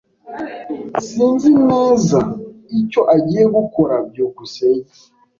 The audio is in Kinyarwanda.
Sinzi neza icyo agiye gukora. byukusenge